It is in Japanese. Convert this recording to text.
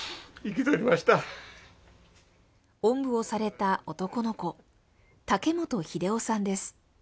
おんぶをされた男の子、竹本秀雄さんです。